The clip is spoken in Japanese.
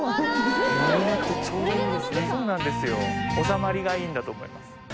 収まりがいいんだと思います。